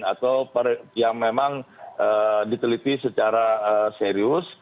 atau yang memang diteliti secara serius